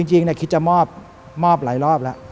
จริงคิดจะมอบหลายรอบแล้ว